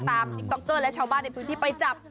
ติ๊กต๊อกเกอร์และชาวบ้านในพื้นที่ไปจับ